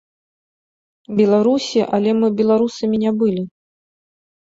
Беларусі, але мы беларусамі не былі.